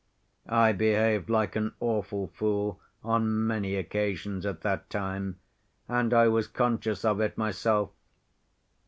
I behaved like an awful fool on many occasions at that time, and I was conscious of it myself.